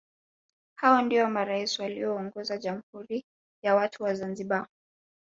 Hao ndio marais walioongoza Jamhuri ya watu wa Zanzibar